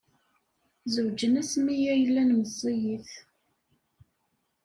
Zewjen asmi ay llan meẓẓiyit.